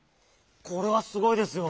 これはすごいですよ。